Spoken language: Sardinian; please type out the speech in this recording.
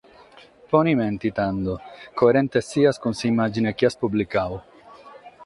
Pone mente, tando: coerente sias cun s’immàgine chi as publicadu.